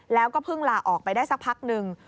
แล้วก็เพิ่งลาออกไปได้สักพักหนึ่ง